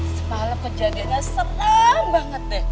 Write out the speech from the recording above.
semalam kejadiannya seram banget deh